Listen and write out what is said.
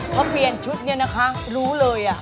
เขาเปลี่ยนชุดนี้นะคะรู้เลย